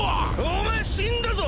お前死んだぞ！